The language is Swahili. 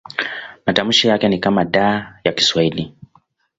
Matamshi yake ni kama D ya Kiswahili.